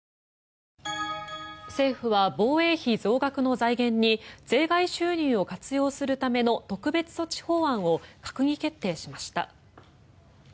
政府は防衛費増額の財源に税外収入を活用するための特別措置法案を閣議決定しました。